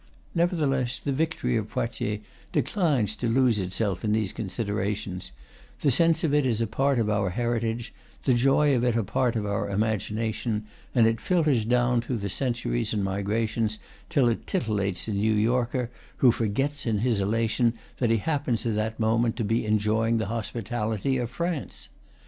Nevertheless, the victory of Poitiers declines to lose itself in these considerations; the sense of it is a part of our heritage, the joy of it a part of our imagination, and it filters down through centuries and migrations till it titillates a New Yorker who forgets in his elation that he happens at that moment to be enjoying the hospitality of France.